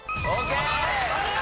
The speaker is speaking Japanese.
お見事。